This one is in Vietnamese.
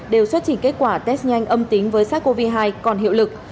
đều xuất trình kết quả test nhanh âm tính với sars cov hai còn hiệu lực